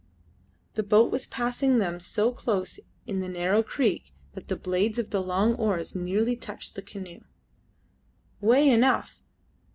The boat was passing them so close in the narrow creek that the blades of the long oars nearly touched the canoe. "Way enough!